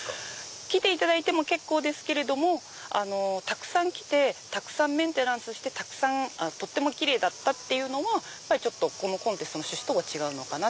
来ていただいても結構ですけどたくさん来てたくさんメンテナンスしてとっても奇麗だったっていうのはこのコンテストの趣旨とは違うのかな。